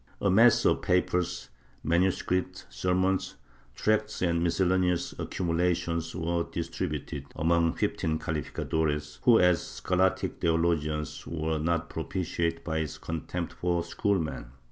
A mass of papers, MS. sermons, tracts and miscellaneous accumulations were distributed among fifteen cahficadores, who, as scholastic theologians, were not propitiated by his contempt for schoolmen.